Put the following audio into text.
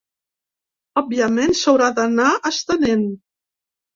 Òbviament s’haurà d’anar estenent.